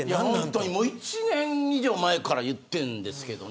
１年以上前から言っているんですけど。